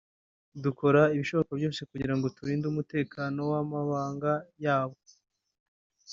dukora ibishoboka byose kugira ngo turinde umutekano w’amabanga yabo